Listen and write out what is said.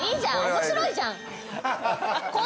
面白いじゃん。